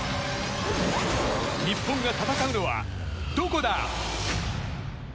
日本が戦うのは、どこだ？